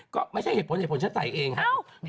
ก็ไม่ใช่เหตุผลเหตุผลฉันใส่เองฮะ